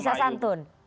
gak bisa santun